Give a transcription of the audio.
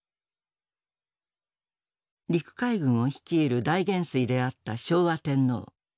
陸海軍を率いる大元帥であった昭和天皇。